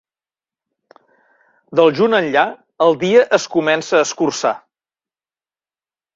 Del juny enllà, el dia es comença a escurçar.